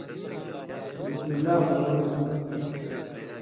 ”بسم اللہ“ بَنٶں سنت تھُو۔